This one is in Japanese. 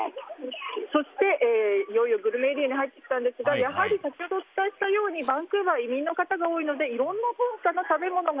そして、いよいよグルメエリアなんですがやはり先ほどお伝えしたようにバンクーバーは移民が多いのでいろんな文化の食べ物が